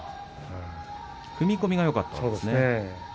踏み込みがよかったんですね。